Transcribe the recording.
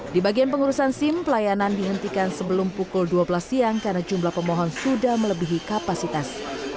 di bagian pengurusan sim pelayanan dihentikan sebelum pukul dua belas siang karena jumlah pemohon sudah melebihi kapasitas